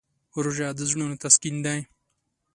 روژه د زړونو تسکین دی.